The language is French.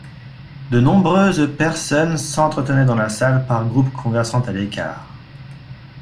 De nombreuses personnes s'entretenaient dans la salle, par groupes conversant à l'écart.